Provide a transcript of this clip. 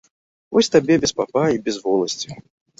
Вось табе без папа і без воласці.